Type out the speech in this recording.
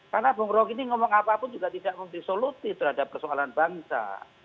karena bung roky ini ngomong apapun juga tidak mempunyai solusi terhadap persoalan bangsa